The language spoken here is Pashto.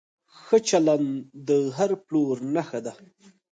ښه چلند د هر پلور نښه ده.